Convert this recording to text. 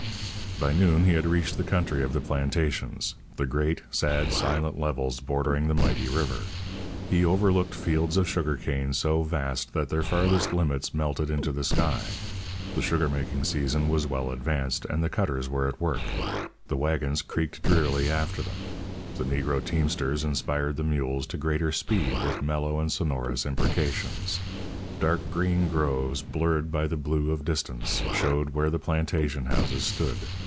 By noon he had reached the country of the plantations, the great, sad, silent levels bordering the mighty river. He overlooked fields of sugar cane so vast that their farthest limits melted into the sky. The sugar making season was well advanced, and the cutters were at work; the waggons creaked drearily after them; the Negro teamsters inspired the mules to greater speed with mellow and sonorous imprecations. Dark green groves, blurred by the blue of distance, showed where the plantation houses stood.